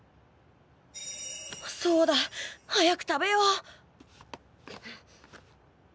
そうだ早く食べよう！